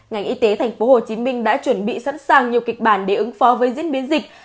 ngành y tế thành phố hồ chí minh đã chuẩn bị sẵn sàng nhiều kịch bản để ứng phó với diễn biến dịch